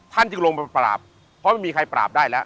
จึงลงไปปราบเพราะไม่มีใครปราบได้แล้ว